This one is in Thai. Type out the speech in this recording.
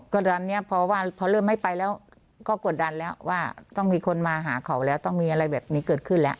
ก็ตอนนี้พอว่าพอเริ่มไม่ไปแล้วก็กดดันแล้วว่าต้องมีคนมาหาเขาแล้วต้องมีอะไรแบบนี้เกิดขึ้นแล้ว